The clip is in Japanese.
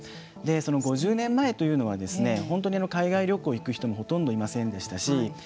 その５０年前というのは海外旅行に行く人はほとんどいませんでしたし